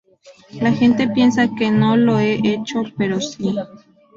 La gente piensa que no lo he hecho, pero sí.